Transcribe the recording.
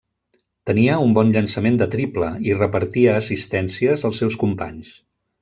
Tenia un bon llançament de triple i repartia assistències als seus companys.